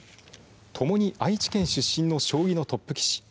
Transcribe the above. ともに愛知県出身の将棋のトップ棋士。